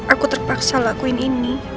aku terpaksa lakuin ini